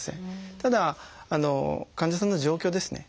ただ患者さんの状況ですね。